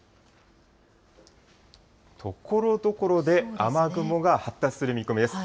ところどころで、雨雲が発達する見込みです。